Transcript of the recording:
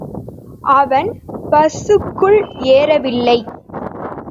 அவன் பஸ்ஸுக்குள் ஏறவில்லை.